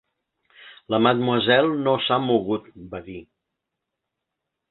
"La Mademoiselle no s"ha mogut", va dir.